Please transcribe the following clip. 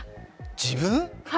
自分？